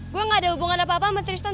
gue gak ada hubungan apa apa sama triston